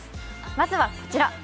まずはこちら。